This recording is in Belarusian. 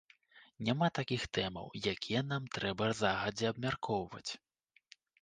Няма такіх тэмаў, якія нам трэба загадзя абмяркоўваць.